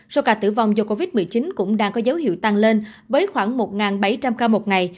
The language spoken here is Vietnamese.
số ca tử vong do covid một mươi chín cũng đang có dấu hiệu tăng lên với khoảng một bảy trăm linh ca một ngày